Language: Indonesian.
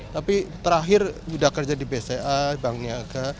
tapi terakhir udah kerja di bca bank niaga